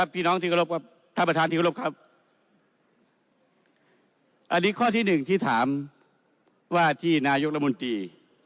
พี่น้องท่านประธานสิกรบครับอันนี้ข้อที่หนึ่งที่ถามว่าที่นายกรัฐบนตรี